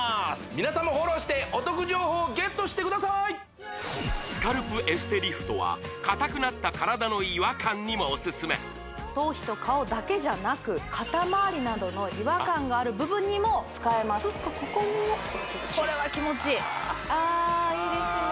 皆さんもフォローしてお得情報をゲットしてくださーいスカルプエステリフトはかたくなった体の違和感にもオススメ頭皮と顔だけじゃなく違和感がある部分にも使えますああいいですね